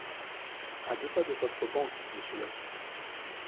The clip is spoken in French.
A deux pas de votre banque, Monsieur Laffitte.